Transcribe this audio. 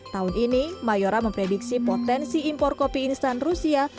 tahun ini mayora memprediksi potensi impor kopi instan rusia